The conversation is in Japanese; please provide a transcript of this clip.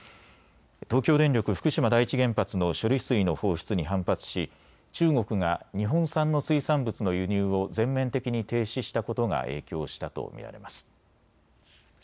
東京電力福島第一原発の処理水の放出に反発し中国が日本産の水産物の輸入を全面的に停止したことが影響したと見られます。